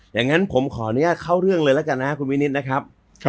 อย่างนั้นผมขออนุญาตเข้าเรื่องเลยแล้วกันนะครับคุณวินิตนะครับ